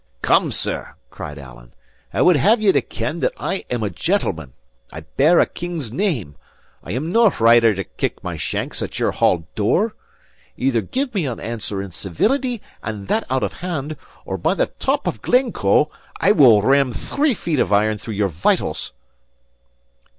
"Come, sir," cried Alan. "I would have you to ken that I am a gentleman; I bear a king's name; I am nae rider to kick my shanks at your hall door. Either give me an answer in civility, and that out of hand; or by the top of Glencoe, I will ram three feet of iron through your vitals."